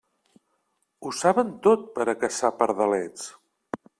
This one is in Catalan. Ho saben tot per a caçar pardalets!